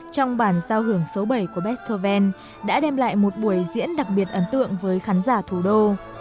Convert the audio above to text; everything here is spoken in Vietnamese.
trong bản giao hưởng số bảy của bestoven đã đem lại một buổi diễn đặc biệt ấn tượng với khán giả thủ đô